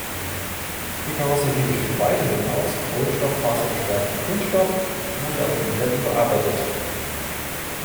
Die Karosserie besteht weiterhin aus kohlenstofffaserverstärktem Kunststoff, wurde aber komplett überarbeitet.